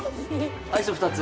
アイス２つ。